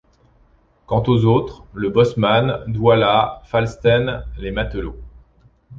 Quant aux autres, le bosseman, Daoulas, Falsten, les matelots !